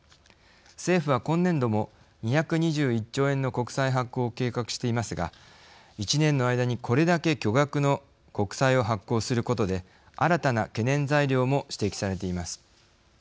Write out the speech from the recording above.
政府は今年度も２２１兆円の国債発行を計画していますが１年の間にこれだけ巨額の国債を発行することで新たな懸念材料も指摘されています。